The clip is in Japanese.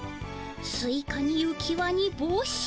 スイカにうきわにぼうし